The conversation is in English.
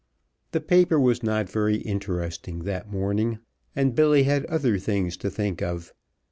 The paper was not very interesting that morning, and Billy had other things to think of.